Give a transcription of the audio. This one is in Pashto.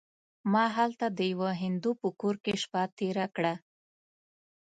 ما هلته د یوه هندو په کور کې شپه تېره کړه.